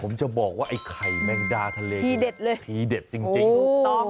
ผมจะบอกว่าไอ้ไข่แมงดาทะเลทีเด็ดเลยทีเด็ดจริงจริงถูกต้อง